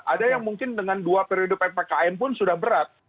ada yang mungkin dengan dua periode ppkm pun sudah berat